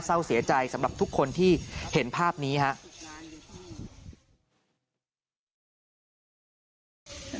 เศร้าเสียใจสำหรับทุกคนที่เห็นภาพนี้ครับ